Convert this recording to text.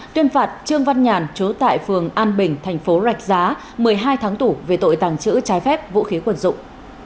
tuyên phạt trương văn nhàn chú tại phường an bình thành phố rạch giá một mươi hai tháng tủ về tội tàng trữ trái phép vũ khí quần dụng